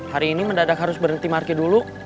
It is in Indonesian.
hari ini mendadak harus berhenti marki dulu